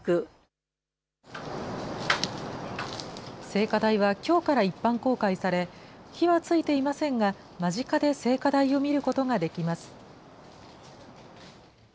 聖火台は、きょうから一般公開され、火はついていませんが、間近で聖火台を見ることができます。